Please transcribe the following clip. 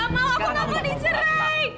gak mau aku gak mau dicerai